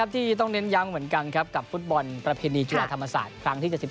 ที่ต้องเน้นย้ำเหมือนกันครับกับฟุตบอลประเพณีจุฬาธรรมศาสตร์ครั้งที่๗๑